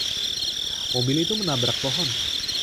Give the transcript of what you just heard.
Mobil itu menabrak pohon.